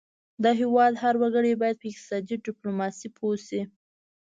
د هیواد هر وګړی باید په اقتصادي ډیپلوماسي پوه شي